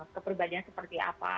keperibadian seperti apa